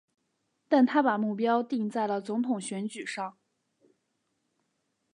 但他把目标定在了总统选举上。